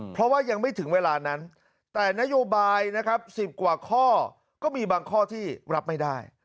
เพราะว่ายังไม่ถึงเวลานั้นแต่นโยบายนะครับ๑๐กว่าข้อก็มีบางข้อที่รับไม่ได้